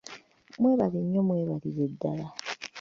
Mwebale nnyo mwebalire ddala.